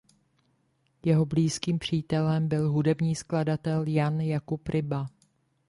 Jeho blízkým přítelem byl hudební skladatel Jan Jakub Ryba.